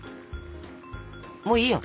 もういいよ。